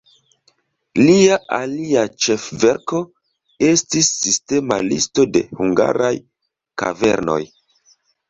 Lia alia ĉefverko estis sistema listo de hungaraj kavernoj.